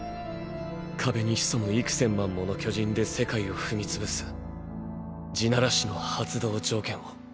壁に潜む幾千万もの巨人で世界を踏み潰す「地鳴らし」の発動条件を。